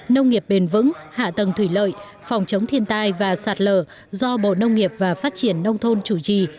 nông nghiệp bền vững hạ tầng thủy lợi phòng chống thiên tai và sạt lở do bộ nông nghiệp và phát triển nông thôn chủ trì